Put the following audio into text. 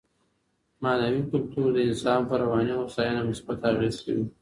معنوي کلتور د انسان پر رواني هوساينه مثبت اغېز کوي.